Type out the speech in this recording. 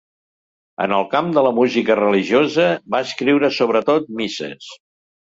En el camp de la música religiosa va escriure sobretot misses.